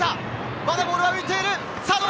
まだボールは浮いている！